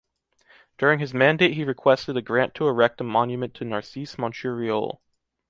During his mandate he requested a grant to erect a monument to Narcís Monturiol.